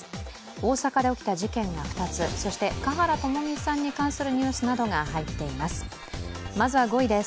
大阪で起きた事件が２つ、そして華原朋美さんに関するニュースなどが入っています。